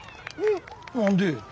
何で？